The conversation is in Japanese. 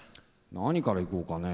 何からいこうかね。